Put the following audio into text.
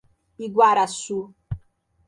Iguaraçu